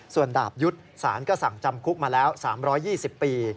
ส่วนดาบยุทธ์สารก็สั่งจำคุกมาแล้ว๓๒๐ปี